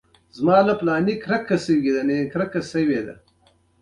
انډريو کارنګي به شراکت ته را وبللای شې؟